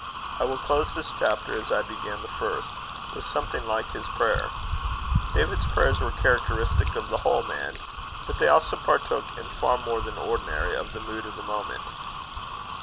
I will close this chapter, as I began the first, with something like his prayer. David's prayers were characteristic of the whole man; but they also partook, in far more than ordinary, of the mood of the moment.